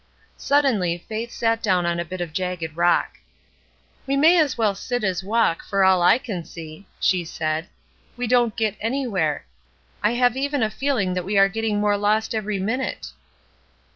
Suddenly Faith sat down on a bit of jagged rock. "We may as well sit as walk, for all I can see!" she said. ''We don't get anywhere. I have even a feehng that we are getting more lost every minute."